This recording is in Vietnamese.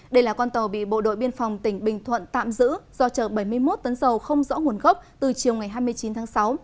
đây là con tàu bị bộ đội biên phòng tỉnh bình thuận tạm giữ do chở bảy mươi một tấn dầu không rõ nguồn gốc từ chiều ngày hai mươi chín tháng sáu